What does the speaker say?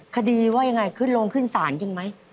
คดีว่ายังไงขึ้นโรงขึ้นศาลจริงไหม